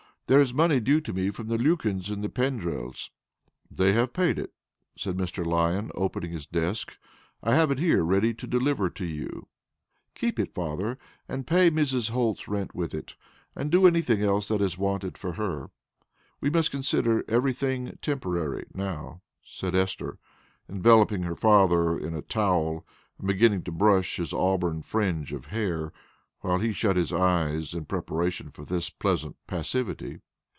There is money due to me from the Lukyns and the Pendrells." "They have paid it," said Mr. Lyon, opening his desk. "I have it here ready to deliver to you." "Keep it, father, and pay Mrs. Holt's rent with it, and do anything else that is wanted for her. We must consider everything temporary now," said Esther, enveloping her father in a towel, and beginning to brush his auburn fringe of hair, while he shut his eyes in preparation for this pleasant passivity.